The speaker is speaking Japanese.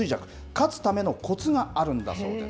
勝つためのこつがあるんだそうです。